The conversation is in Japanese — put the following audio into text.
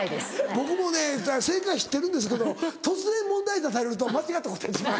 僕もね正解知ってるんですけど突然問題出されると間違って答えてしまう。